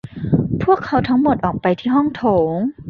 พวกเขาทั้งหมดออกไปที่ห้องโถง